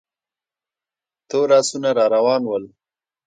تور آسونه را روان ول.